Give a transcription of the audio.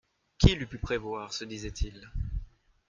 Qui l'eût pu prévoir ? se disait-il.